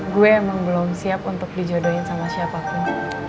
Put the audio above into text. gue emang belum siap untuk dijodohin sama siapa pun